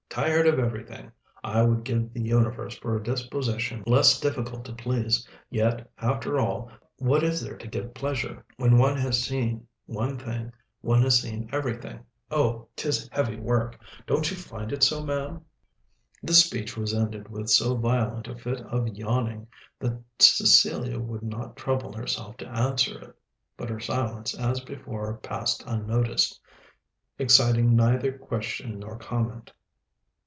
tired of everything! I would give the universe for a disposition less difficult to please. Yet, after all, what is there to give pleasure? When one has seen one thing, one has seen everything. Oh, 'tis heavy work! Don't you find it so, ma'am?" This speech was ended with so violent a fit of yawning that Cecilia would not trouble herself to answer it: but her silence as before passed unnoticed, exciting neither question nor comment.